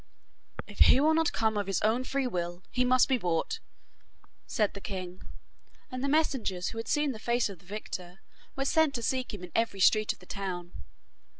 'If he will not come of his own free will, he must be brought,' said the king, and the messengers who had seen the face of the victor were sent to seek him in every street of the town.